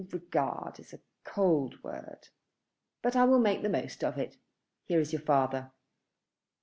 "Regard is a cold word, but I will make the most of it. Here is your father."